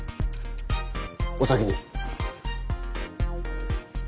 お先に。